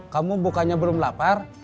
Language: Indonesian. kamu bukannya belum lapar